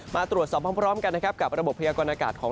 มาตรวจสอบพร้อมกันนะครับกับระบบพยากรณากาศของ